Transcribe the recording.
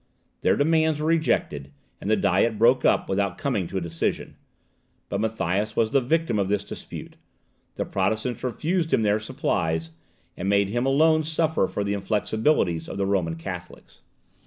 Their demands were rejected, and the Diet broke up without coming to a decision. But Matthias was the victim of this dispute. The Protestants refused him their supplies, and made him alone suffer for the inflexibility of the Roman Catholics.